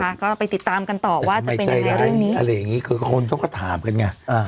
ก็ไปติดตามกันต่อว่าจะเป็นยังไงเรื่องนี้อะไรอย่างงี้คือคนเขาก็ถามกันไงอ่า